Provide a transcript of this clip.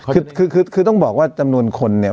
คือคือคือคือคือต้องบอกว่าจำนวนคนเนี้ย